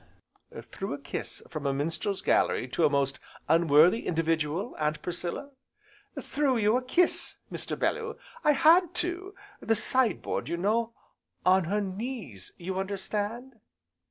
"Threw a kiss from a minstrel's gallery, to a most unworthy individual, Aunt Priscilla?" "Threw you a kiss, Mr. Bellew, I had to, the side board you know, on her knees you understand?"